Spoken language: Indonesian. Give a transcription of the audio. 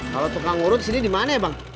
kalau tukang urut sendiri di mana ya bang